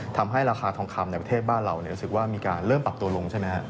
ทำให้ราคาทองคำในประเทศบ้านเรารู้สึกว่ามีการเริ่มปรับตัวลงใช่ไหมครับ